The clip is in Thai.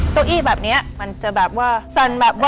ตุ๊กอี้แบบเนี่ยมันจะแบบว่าสั่นแบบว่า